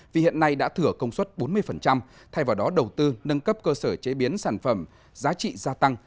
vì hiện nay đã thửa công suất bốn mươi thay vào đó đầu tư nâng cấp cơ sở chế biến sản phẩm giá trị gia tăng